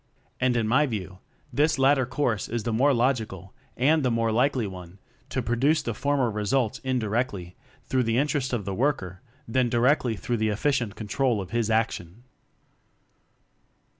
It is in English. And, in my view, this latter course is the more logical and the more likely one to produce the for mer results indirectly through the interest of the worker than directly through the efficient control of his action.